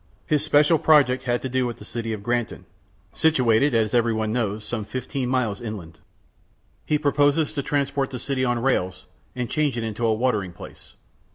His special project had to do with the city of Granton, situated, as everybody knows, some fifteen miles inland. He proposes to transport the city on rails and to change it into a watering place.